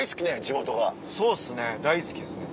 そうですね大好きですね。